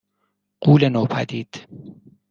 غولِ نوپدید